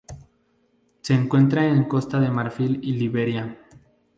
Se encuentra en Costa de Marfil y Liberia.